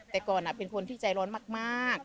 แต่ก่อนเป็นคนที่ใจร้อนมาก